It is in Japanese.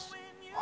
あ